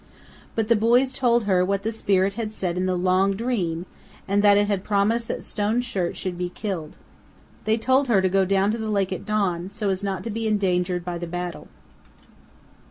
But the boys told her what the spirit had said in the long dream and that it had promised that Stone Shirt should be killed. They told her to go down to the lake at dawn, so as not to be endangered by the battle.